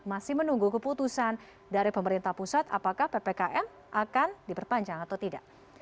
masih menunggu keputusan dari pemerintah pusat apakah ppkm akan diperpanjang atau tidak